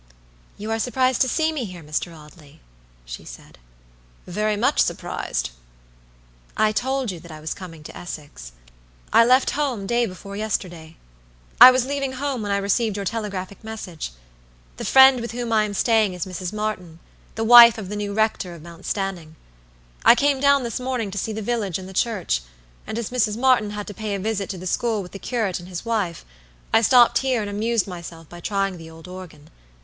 "You are surprised to see me here, Mr. Audley," she said. "Very much surprised." "I told you that I was coming to Essex. I left home day before yesterday. I was leaving home when I received your telegraphic message. The friend with whom I am staying is Mrs. Martyn, the wife of the new rector of Mount Stanning. I came down this morning to see the village and church, and as Mrs. Martyn had to pay a visit to the school with the curate and his wife, I stopped here and amused myself by trying the old organ.